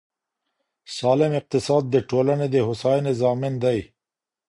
سالم اقتصاد د ټولني د هوساینې ضامن دی.